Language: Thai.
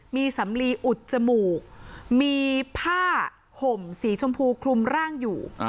มีสำลีอุดจมูกมีผ้าห่มสีชมพูคลุมร่างอยู่